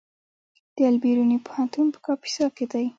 د البیروني پوهنتون په کاپیسا کې دی